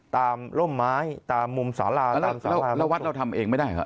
ตามหล่มไม้ตามมุมสาลาแล้ววัดเราทำเองไม่ได้ค่ะ